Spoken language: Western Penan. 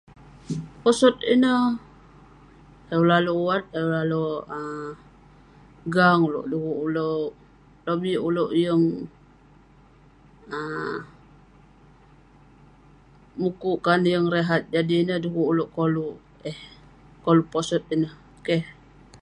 Posot ineh..ayuk ulouk alek wat..ayuk ulouk um alek gang ulouk..de'kuk ulouk.. lobik ulouk yeng um mukuk kan, yeng rehat, jadi ineh de'kuk ulouk koluk eh, koluk posot ineh..keh..